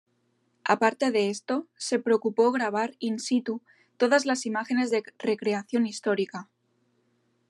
Aparte de esto, se procuró grabar "in situ" todas las imágenes de recreación histórica.